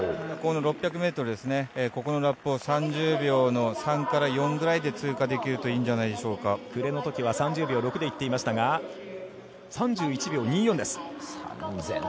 この６００メートルですね、ここのラップを３０秒の３から４ぐらいで通過できるといいんじゃ暮れのときは、３０秒６でいっていましたが、３１秒２４です。